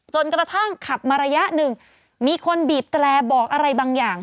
กระทั่งขับมาระยะหนึ่งมีคนบีบแตรบอกอะไรบางอย่าง